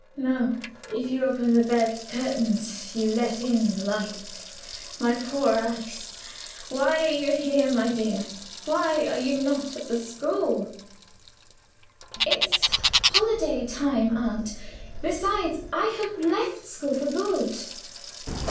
"No! If you open the bed curtains, you let in the light. My poor eyes! Why are you here, my dear? Why are you not at the school?" "It's holiday time, aunt. Besides, I have left school for good."